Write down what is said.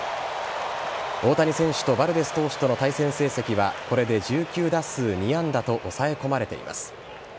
大谷選手とバルデス投手との対戦成績をこれで１９打数２安打と抑え込まれています。